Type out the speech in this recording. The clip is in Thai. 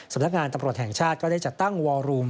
สำนักงานตำรวจแห่งชาติก็ได้จัดตั้งวอรูม